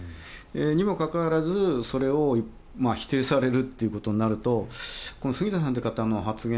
にもかかわらずそれを否定されることになるとこの杉田さんという方の発言